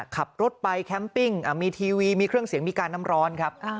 ขับรถไปแคมปิ้งมีทีวีมีเครื่องเสียงมีการน้ำร้อนครับ